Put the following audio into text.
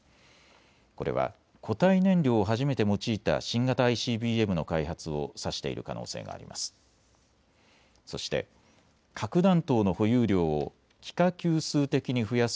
これは固体燃料を初めて用いた新型ＩＣＢＭの開発を指している可能性があります。